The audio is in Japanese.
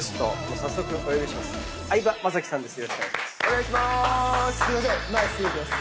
お願いしまーす。